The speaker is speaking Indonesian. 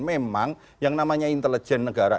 memang yang namanya intelijen negara